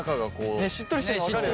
ねっしっとりしてんの分かるよね。